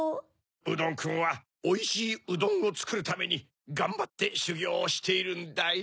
うどんくんはおいしいうどんをつくるためにがんばってしゅぎょうをしているんだよ。